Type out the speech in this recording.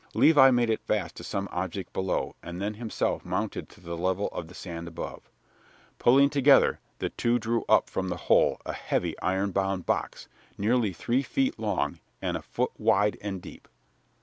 Levi made it fast to some object below and then himself mounted to the level of the sand above. Pulling together, the two drew up from the hole a heavy iron bound box, nearly three feet long and a foot wide and deep.